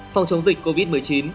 phòng chống dịch covid một mươi chín